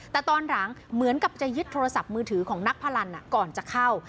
แต่ตอนหลังเหมือนกับจะยึดโทรศัพท์มือถือของนักพนันก่อนจะเข้า